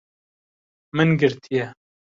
Min girtiye